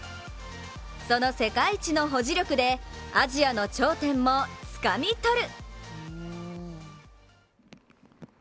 その世界一の保持力で、アジアの頂点もつかみ取る。